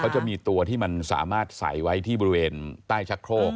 จะมีตัวที่มันสามารถใส่ไว้ที่บริเวณใต้ชักโครก